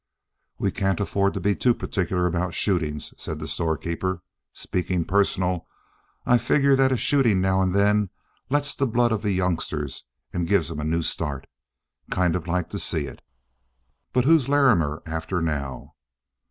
"We can't afford to be too particular about shootings," said the storekeeper. "Speaking personal, I figure that a shooting now and then lets the blood of the youngsters and gives 'em a new start. Kind of like to see it." "But who's Larrimer after now?"